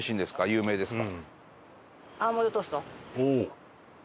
有名ですか？